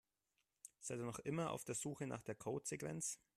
Seid ihr noch immer auf der Suche nach der Codesequenz?